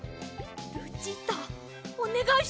ルチータおねがいします！